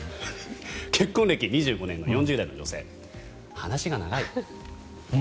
結婚歴２５年の４０代の女性、話が長い。